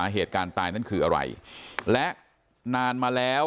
แต่มาวันนี้เข้ามาหาพบว่านอนเสียชีวิตอยู่แล้วแต่มาวันนี้เข้ามาหาพบว่านอนเสียชีวิตอยู่แล้ว